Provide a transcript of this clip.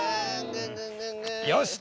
よし！